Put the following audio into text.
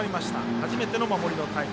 初めての守りのタイム。